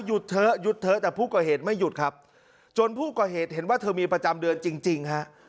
เถอะหยุดเถอะแต่ผู้ก่อเหตุไม่หยุดครับจนผู้ก่อเหตุเห็นว่าเธอมีประจำเดือนจริงจริงฮะ